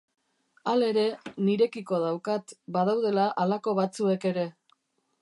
Halere, nirekiko daukat, badaudela halako batzuek ere.